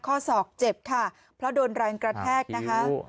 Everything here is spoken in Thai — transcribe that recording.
ข้อศอกเจ็บค่ะเพราะโดนแรงกระแทกนะคะ